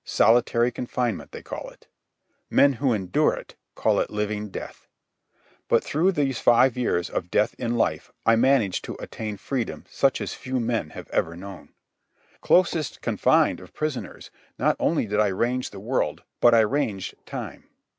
Solitary confinement, they call it. Men who endure it, call it living death. But through these five years of death in life I managed to attain freedom such as few men have ever known. Closest confined of prisoners, not only did I range the world, but I ranged time.